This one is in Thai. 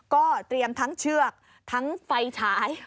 ก็เตรียมทั้งเชือกทั้งไฟฉาย